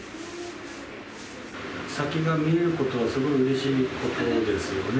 先が見えることはすごいうれしいことですよね。